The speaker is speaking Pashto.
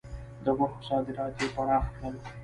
د غوښو صادرات یې پراخ کړل.